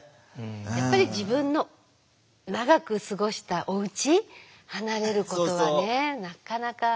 やっぱり自分の長く過ごしたおうち離れることはねなかなか。